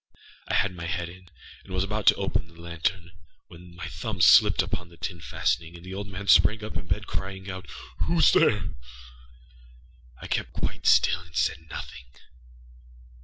I had my head in, and was about to open the lantern, when my thumb slipped upon the tin fastening, and the old man sprang up in bed, crying outââWhoâs there?â I kept quite still and said nothing.